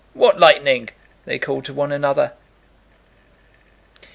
What lightning!" they called to one another.